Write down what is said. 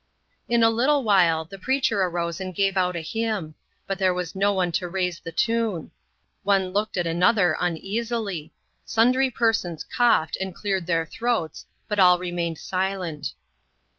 In a little while, the preacher arose and gave out a hymn; but there was no one to raise the tune. One looked at another uneasily; sundry persons coughed and cleared their throats, but all remained silent.